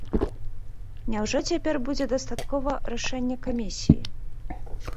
Няўжо цяпер будзе дастаткова рашэння камісіі?